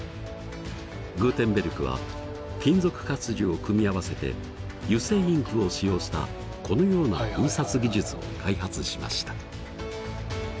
グーテンベルクは金属活字を組み合わせて油性インクを使用したこのような印刷技術を開発しました。